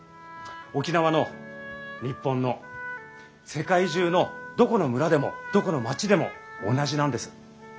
沖縄の日本の世界中のどこの村でもどこの街でも同じなんです。